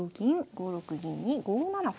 ５六銀に５七歩。